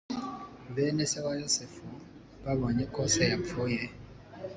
bene se wa yosefu babonye ko se yapfuye